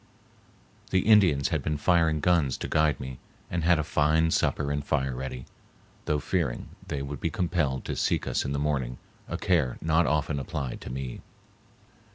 The Indians had been firing guns to guide me and had a fine supper and fire ready, though fearing they would be compelled to seek us in the morning, a care not often applied to me.